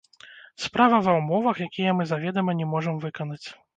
Справа ва ўмовах, якія мы заведама не можам выканаць!